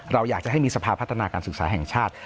เราอยากจะให้มีสภาพัฒนาการศึกษาแห่งชาติ